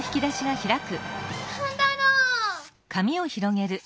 何だろう？